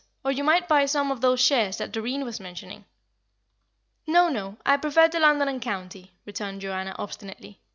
Or you might buy some of those shares that Doreen was mentioning." "No, no. I prefer the London & County," returned Joanna, obstinately.